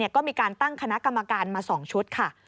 ก็มีการตั้งคณะกรรมการมา๒ชุดค่ะ